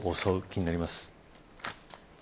気になります。